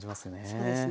そうですね。